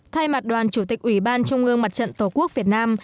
thay mặt đoàn chủ tịch ủy ban trung ương mặt trận tổ quốc việt nam